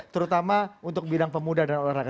terutama untuk bidang pemuda dan olahraga